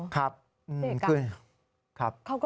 ประสาทแขกน้อย